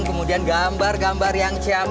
kemudian gambar gambar yang cham